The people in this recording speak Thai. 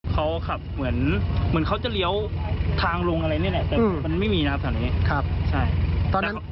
เขาขับเหมือนเขาจะเลี้ยวทางลงอะไรเนี่ยแหละแต่มันไม่มีนะครับตอนนี้